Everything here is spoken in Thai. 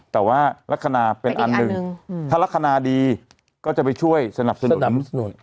แต่ว่าลักษณะเป็นอันหนึ่งถ้าลักษณะดีก็จะไปช่วยสนับสนุน